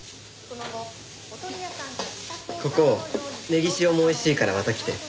ここネギ塩もおいしいからまた来て。